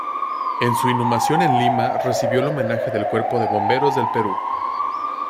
En su inhumación en Lima recibió el homenaje del Cuerpo de Bomberos del Perú.